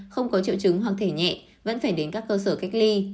không có triệu chứng hoặc thể nhẹ vẫn phải đến các cơ sở cách ly